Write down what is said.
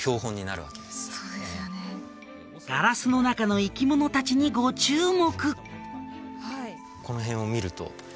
ガラスの中の生き物達にご注目！